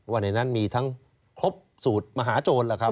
ว่าในนั้นมีทั้งครบสูตรมหาโจรล่ะครับ